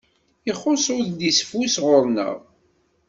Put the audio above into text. Ixuṣ udlisfus ɣur-neɣ.